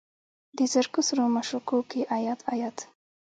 د زرکو سرو مشوکو کې ایات، ایات